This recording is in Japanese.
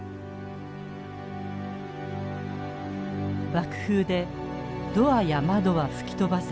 爆風でドアや窓は吹き飛ばされ